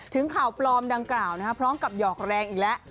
ข่าวปลอมดังกล่าวพร้อมกับหยอกแรงอีกแล้ว